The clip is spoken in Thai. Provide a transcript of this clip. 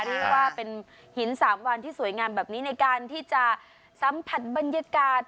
เรียกว่าเป็นหิน๓วันที่สวยงามแบบนี้ในการที่จะสัมผัสบรรยากาศ